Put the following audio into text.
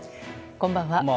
こんばんは。